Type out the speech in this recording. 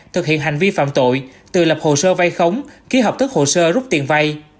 thực hiện hành vi phạm tội từ lập hồ sơ vay khống ký hợp thức hồ sơ rút tiền vai